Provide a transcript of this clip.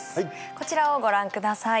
こちらをご覧下さい。